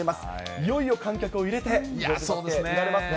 いよいよ観客を入れて見られますね。